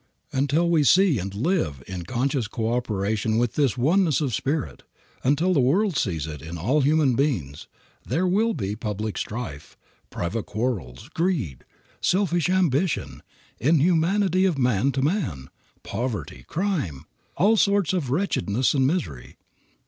Until we see and live in conscious coöperation with this oneness of spirit, until the world sees it in all human beings, there will be public strife, private quarrels, greed, selfish ambition, inhumanity of man to man, poverty, crime, all sorts of wretchedness and misery.